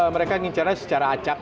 mereka mengincar secara acak